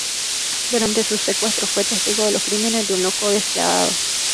Durante su secuestro, fue testigo de los crímenes de un loco despiadado.